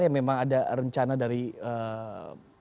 ya memang ada rencana dari pembangunan